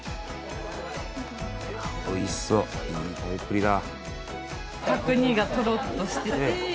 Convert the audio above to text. おいしそういい食べっぷりだ。